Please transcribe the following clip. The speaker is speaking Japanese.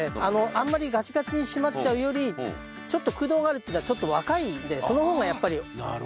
あんまりガチガチにしまっちゃうよりちょっと空洞があるっていうのはちょっと若いんで。